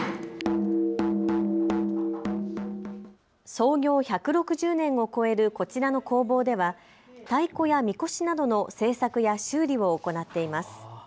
創業１６０年を超えるこちらの工房では太鼓やみこしなどの製作や修理を行っています。